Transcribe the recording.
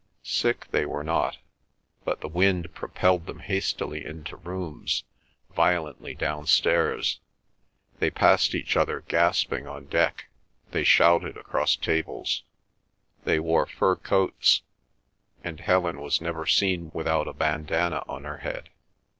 Sick they were not; but the wind propelled them hastily into rooms, violently downstairs. They passed each other gasping on deck; they shouted across tables. They wore fur coats; and Helen was never seen without a bandanna on her head.